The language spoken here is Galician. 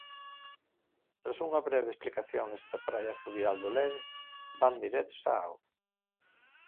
Tras unha breve explicación nesta praia fluvial do Lérez, van directos á auga.